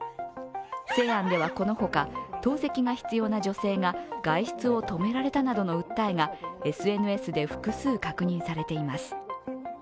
西安ではこのほか、透析が必要な女性が外出を止められたなどの訴えがＳＮＳで複数確認されています。